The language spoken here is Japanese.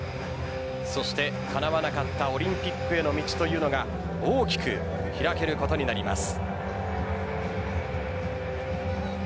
そしてかなわなかったオリンピックへの道というのが大きく開けることになります。